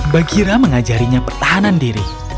bagira mengajarinya pertahanan diri